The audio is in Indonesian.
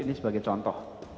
ini sebagai contoh